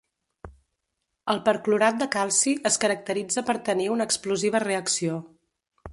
El perclorat de calci es caracteritza per tenir una explosiva reacció.